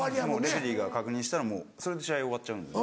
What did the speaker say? レフェリーが確認したらそれで試合終わっちゃうんで。